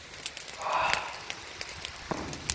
katika safari ya wajerumani kuja kuitawala Tanganyika